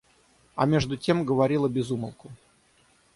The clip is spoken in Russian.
А между тем говорила без умолку.